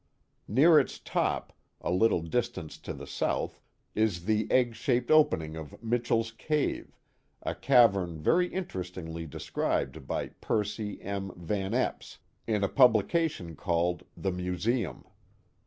Near its top, a little distance to the south, is the egg shaped opening of " Mitchell's cave," a cavern very interestingly de scribed by Percy M. Van Epps, in a publication called The Museum.